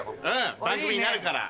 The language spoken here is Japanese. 番組になるから。